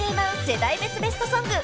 世代別ベストソング』］